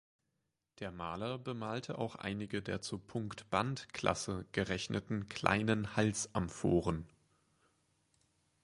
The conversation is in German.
Der Maler bemalte auch einige der zur Punkt-Band-Klasse gerechneten kleinen Halsamphoren.